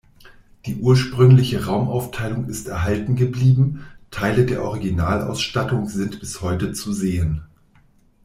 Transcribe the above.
Die ursprüngliche Raumaufteilung ist erhalten geblieben, Teile der Originalausstattung sind bis heute zu sehen.